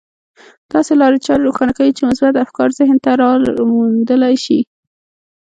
داسې لارې چارې روښانه کوي چې مثبت افکار ذهن ته لاره موندلای شي.